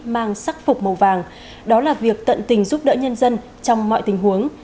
mang sắc phục màu vàng đó là việc tận tình giúp đỡ nhân dân trong mọi tình huống